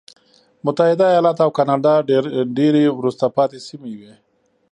متحده ایالات او کاناډا ډېرې وروسته پاتې سیمې وې.